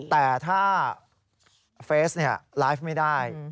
แต่ถ้าเฟสไลฟ์ไม่ได้